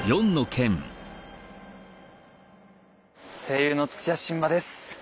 声優の土屋神葉です。